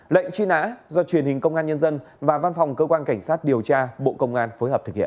lệnh truy nã do truyền hình công an nhân dân và văn phòng cơ quan cảnh sát điều tra bộ công an phối hợp thực hiện